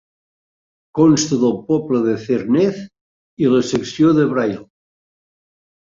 Consta del poble de Zernez i la secció de Brail.